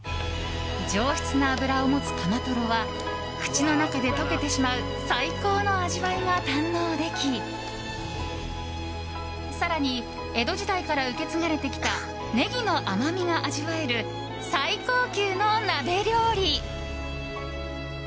上質な脂を持つカマトロは口の中で溶けてしまう最高の味わいが堪能でき更に、江戸時代から受け継がれてきたネギの甘みが味わえる最高級の鍋料理。